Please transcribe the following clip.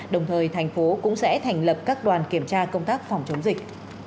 đồng thời thành phố cũng sẽ thành lập các đoàn kiểm tra công tác phòng chống dịch